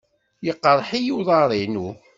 Yeqreḥ-iyi uḍar-inu.